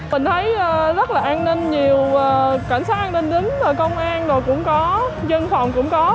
mình thấy rất là an ninh nhiều cảnh sát an ninh đứng rồi công an rồi cũng có dân phòng cũng có